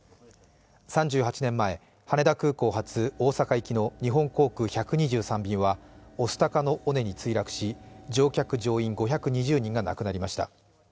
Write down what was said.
３８年前、羽田空港発大阪行きの日本航空１２３便は御巣鷹の尾根に墜落し乗客・乗員５２０人が亡くなりました。